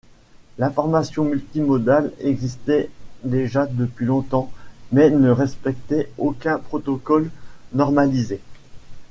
L'information multi-modale existait déjà depuis longtemps mais ne respectait aucun protocole normalisé.